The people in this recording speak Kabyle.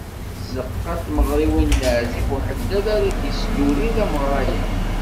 D tzeqqa n tmeɣriwin n Laɛzib Uheddad ara d-yesdurin tameɣra-a.